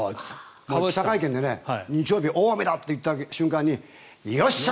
記者会見で日曜日大雨だと言った瞬間によっしゃ！